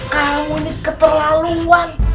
kamu ini keterlaluan